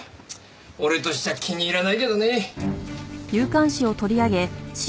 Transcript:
俺としちゃ気に入らないけどね。